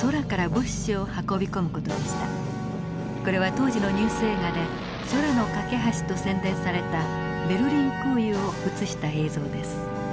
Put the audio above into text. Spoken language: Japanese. これは当時のニュース映画で空の架け橋と宣伝されたベルリン空輸を映した映像です。